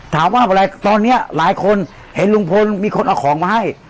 ถามว่าอะไรตอนนี้หลายคนเห็นลุงพลมีคนเอาของมาให้